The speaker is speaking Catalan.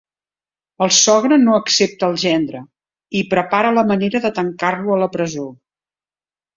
El sogre no accepta el gendre, i prepara la manera de tancar-lo a la presó.